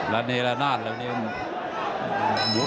แล้วในรนาด